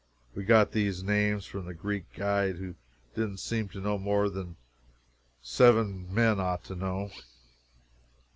[We got these names from the Greek guide, who didn't seem to know more than seven men ought to know.